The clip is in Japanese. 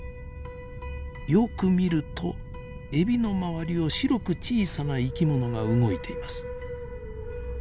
よく見るとエビの周りを白く小さな生き物が動いています。